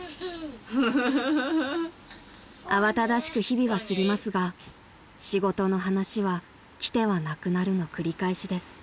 ［慌ただしく日々は過ぎますが仕事の話は来てはなくなるの繰り返しです］